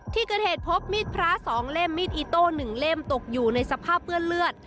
ที่เกิดเหตุพบมีดพระ๒เล่มมีดอิโต้๑เล่มตกอยู่ในสภาพเปื้อนเลือด